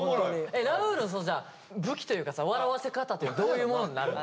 ラウールの武器というかさ笑わせ方ってどういうものになるの？